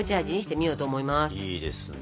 いいですね。